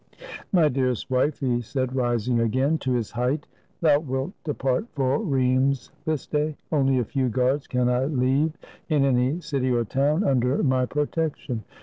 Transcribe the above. "My dearest wife," he said, rising again to his height, "thou wilt depart for Rheims this day. Only a few guards can I leave in any city or town under my protec tion.